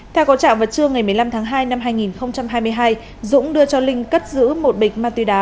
theo cổ trạng vật trương ngày một mươi năm tháng hai năm hai nghìn hai mươi hai dũng đưa cho linh cất giữ một bịch ma túy đá